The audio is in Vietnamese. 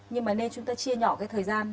nhưng mà nên chúng ta chia nhỏ cái thời gian